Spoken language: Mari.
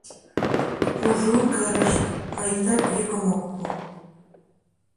Кужун кырышт, но иктат йӱкым ок пу.